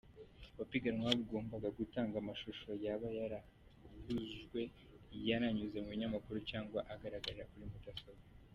Abapiganwa bagombaga gutanga amashusho yaba yarahanagujwe, yaranyuze mu binyamakuru, cyangwa agaragarira kuri mudasobwa.